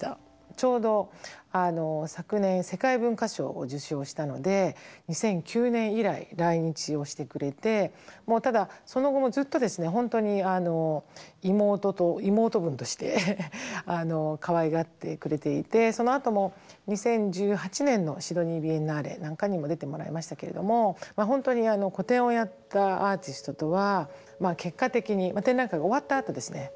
ちょうど昨年世界文化賞を受賞したので２００９年以来来日をしてくれてただその後もずっと本当に妹分としてかわいがってくれていてそのあとも２０１８年のシドニー・ビエンナーレなんかにも出てもらいましたけれども本当に個展をやったアーティストとは結果的に展覧会が終わったあとですね